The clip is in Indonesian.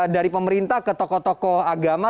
dari pemerintah ke tokoh tokoh agama